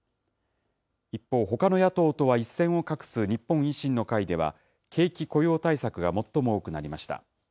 一方、ほかの野党とは一線を画す日本維新の会では、景気・雇用対策が最も多くなりました。